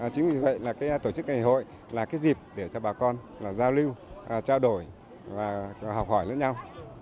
chính vì vậy là tổ chức ngày hội là cái dịp để cho bà con giao lưu trao đổi và học hỏi lẫn nhau